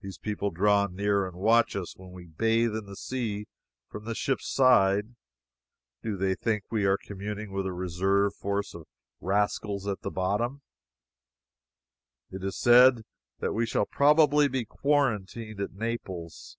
These people draw near and watch us when we bathe in the sea from the ship's side. Do they think we are communing with a reserve force of rascals at the bottom? It is said that we shall probably be quarantined at Naples.